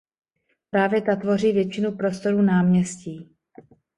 Právě ta tvoří většinu prostoru náměstí.